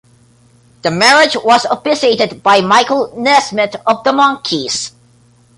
The marriage was officiated by Michael Nesmith of The Monkees.